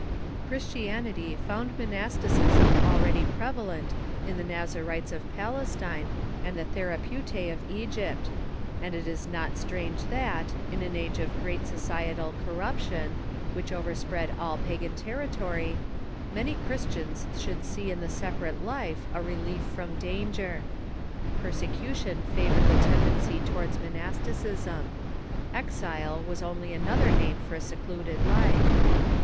Christianity found monasticism already prevalent in the Nazarites of Palestine and the Therapeuta^ of Egypt, and it is not strange that, in an age of great social cor ^Monastidsm °' ruption, which overspread all pagan territory, many Christians should see in the separate life a relief from danger. Persecution favoi'ed the tendency towards 92 THE EARLY CHURCH monasticism. Exile was only another name for a secluded life.